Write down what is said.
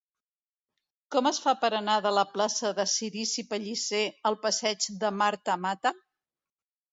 Com es fa per anar de la plaça de Cirici Pellicer al passeig de Marta Mata?